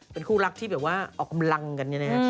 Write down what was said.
เป็นคู่รักที่แบบว่าออกกำลังกันเนี่ยนะครับ